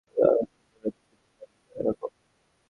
প্রথমে আমের মতো ধরে দাঁত দিয়ে নিপল এরকম করবি।